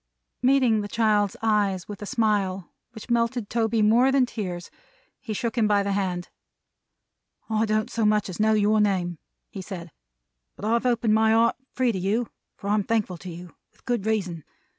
Meeting the child's eyes with a smile which melted Toby more than tears, he shook him by the hand. "I don't so much as know your name," he said, "but I've opened my heart free to you, for I'm thankful to you; with good reason.